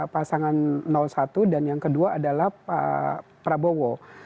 pasangan satu dan yang kedua adalah pak prabowo